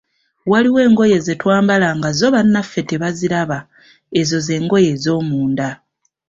Waliwo engoye ze twambala nga zo bannaffe tebaziraba, ezo z'engoye ez'omunda.